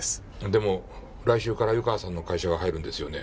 でも来週から湯川さんの会社が入るんですよね。